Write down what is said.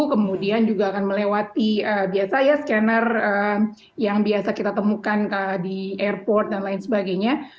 kemudian juga akan melewati biasa ya scanner yang biasa kita temukan di airport dan lain sebagainya